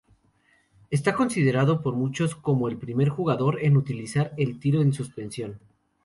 Está considerado por muchos como el primer jugador en utilizar el tiro en suspensión.